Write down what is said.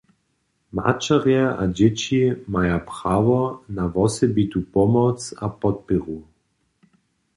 Maćerje a dźěći maja prawo na wosebitu pomoc a podpěru.